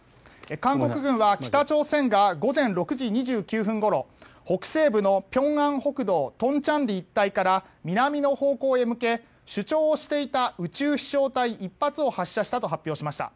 韓国軍は北朝鮮が午前６時２９分ごろ北西部の平安北道東倉里一帯から南の方向へ向け主張をしていた宇宙飛翔体１発を発射したと発表しました。